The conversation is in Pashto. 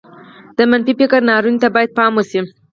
د منفي فکر ناورين ته بايد پام وشي.